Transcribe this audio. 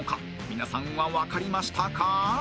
皆さんはわかりましたか？